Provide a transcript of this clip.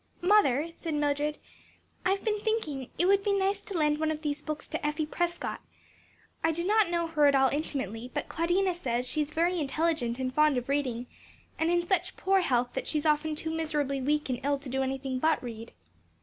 "Mother," said Mildred, "I've been thinking it would be nice to lend one of these books to Effie Prescott. I do not know her at all intimately, but Claudina says she is very intelligent and fond of reading, and in such poor health that she is often too miserably weak and ill to do anything but read."